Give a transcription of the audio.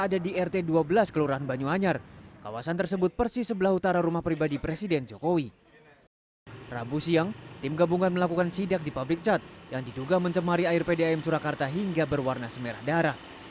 ada sedang di pabrik cat yang diduga mencemari air pdam surakarta hingga berwarna semerah darah